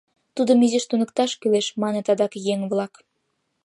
Тудым изиш туныкташ кӱлеш, — маныт адак еҥ-влак.